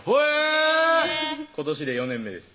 今年で４年目です